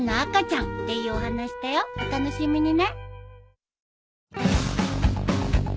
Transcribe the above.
お楽しみにね。